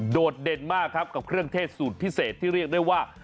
โดดเด่นมากครับกับเครื่องเทศสูตรพิเศษที่เรียกได้ว่า